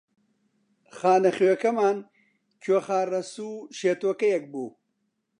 خانەخوێکەمان کوێخا ڕەسوو شێتۆکەیەک بوو